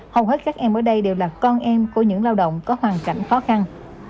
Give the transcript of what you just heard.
hầu hết các em ở đây đều là con em của những lao động có hoàn cảnh khó khăn